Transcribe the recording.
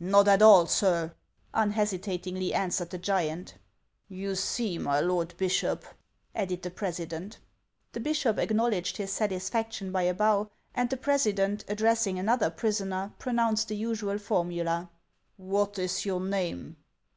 "Not at all, sir." unhesitatingly answered the giant. o ^" You see, my lord bishop," added the president. The bishop acknowledged his satisfaction by a bow, and the president, addressing another prisoner, pronounced the usual formula: "What is your name